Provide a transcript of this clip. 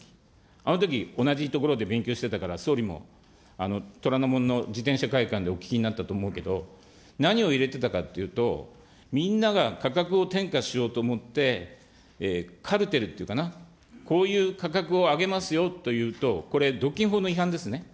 あのとき、同じ所で勉強してたから、総理も虎ノ門のじてんしゃかいかんでお聞きになったとかと思うけど、何を入れたかというと、みんなが価格を転嫁しようと思って、カルテルっていうかな、こういう価格を上げますよというと、これ、独禁法の違反ですね。